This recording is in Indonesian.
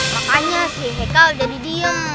makanya sih hekal jadi diem